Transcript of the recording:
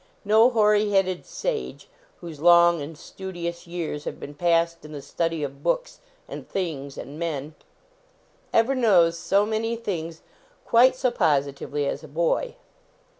No hoary headed sage, whose long and studious years have been passed in the study of books and things and men, ever knows so many things quite so positively as a boy.